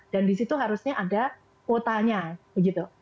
dan disitu harusnya ada kotanya begitu